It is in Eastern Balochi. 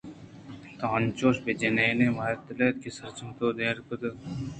تو انچوش پہ آجنین ءَ مہتل اَتے کہ سرجم ءَ تو دیر اِنت کہ آئی ءِ گوماپجّاروک اِت